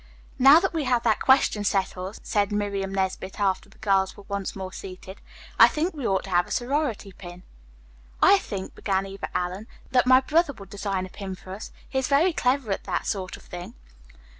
"Now that we have that question settled," said Miriam Nesbit, after the girls were once more seated, "I think we ought to have a sorority pin." "I think," began Eva Allen, "that my brother would design a pin for us. He is very clever at that sort of thing."